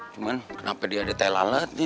cuman kenapa dia detail alatnya